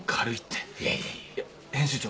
いや編集長。